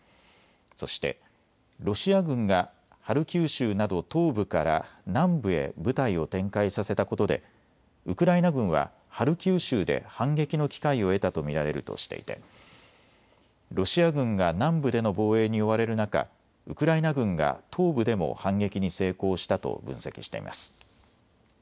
そして、ロシア軍がハルキウ州など東部から南部へ部隊を展開させたことでウクライナ軍はハルキウ州で反撃の機会を得たと見られるとしていてロシア軍が南部での防衛に追われる中、ウクライナ軍が東部でも反撃に成功したと分析しています。